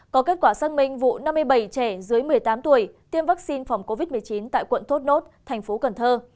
có kết quả xác minh vụ năm mươi bảy trẻ dưới một mươi tám tuổi tiêm vaccine phòng covid một mươi chín tại quận thốt nốt thành phố cần thơ